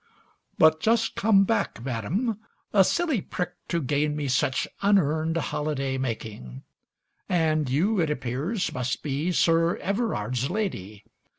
"But just come back, Madam. A silly prick To gain me such unearned Holiday making. And you, it appears, Must be Sir Everard's lady.